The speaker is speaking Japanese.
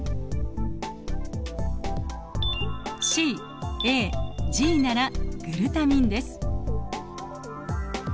ＣＡＧならグルタミンです。